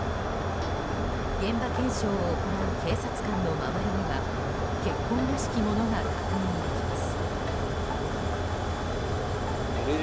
現場周辺を行う警察官の周りには血痕らしきものが確認できます。